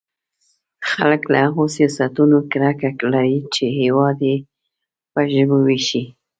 خلک له هغو سیاستونو کرکه لري چې هېواد يې په ژبو وېشي.